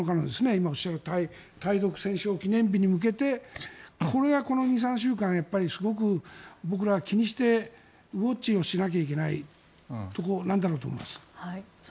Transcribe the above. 今、おっしゃったように対独戦勝記念日に向けてこれはこの２３週間すごく僕らは気にしてウォッチをしなければいけないところなんだろうと思います。